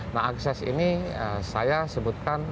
nah akses ini saya sebutkan